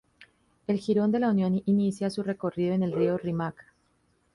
El Jirón de la Unión inicia su recorrido en el río Rímac.